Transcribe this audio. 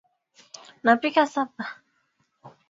Unapokuwa katika kampuni jaribu kufuata ishara zako mkono wazi au